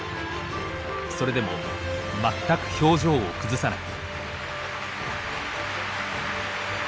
それでも全く表情を崩さない。